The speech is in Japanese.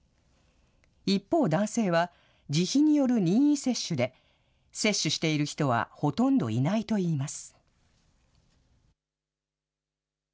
一方、男性は、自費による任意接種で、接種している人はほとんどいないといいます。